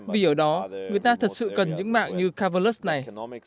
vì ở đó người ta thật sự cần những mạng như kavalax này